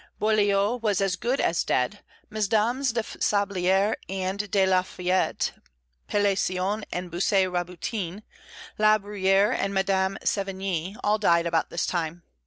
Boileau was as good as dead; Mesdames de la Sablière and de la Fayette, Pellisson and Bussy Rabutin, La Bruyère and Madame Sévigné, all died about this time.